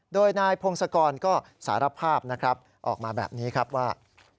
โดยนายพงศกรก็สารภาพนะครับออกมาแบบนี้ครับว่า